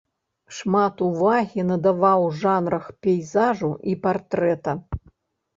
Шмат увагі надаваў жанрах пейзажу і партрэта.